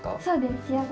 そうです